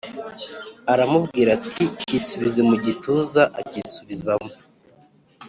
Aramubwira ati Cyisubize mu gituza acyisubizamo